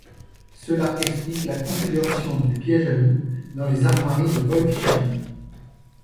Cela explique la configuration du piège à loups dans les armoiries de Wolfisheim.